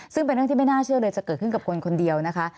ซึ่งเป็นเรื่องที่ไม่น่าเชื่อเลยจะเกิดขึ้นกับคนคนเดียวนะคะ